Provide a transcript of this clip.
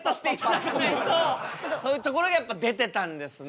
というところがやっぱ出てたんですね。